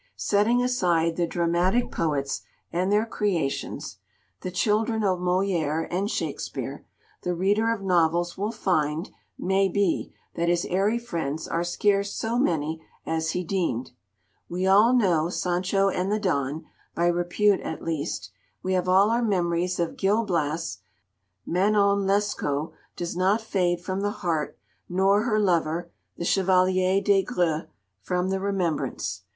Setting aside the dramatic poets and their creations, the children of Molière and Shakspeare, the reader of novels will find, may be, that his airy friends are scarce so many as he deemed. We all know Sancho and the Don, by repute at least; we have all our memories of Gil Blas; Manon Lescaut does not fade from the heart, nor her lover, the Chevalier des Grieux, from the remembrance.